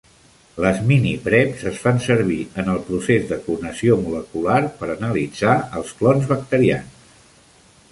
Les minipreps es fan servir en el procés de clonació molecular per analitzar els clons bacterians.